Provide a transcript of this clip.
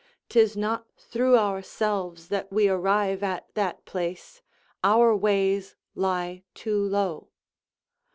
'Tis not through ourselves that we arrive at that place; our ways lie too low.